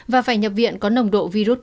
và phải nhập viện có nồng độ virus